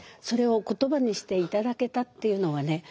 それを言葉にして頂けたっていうのはね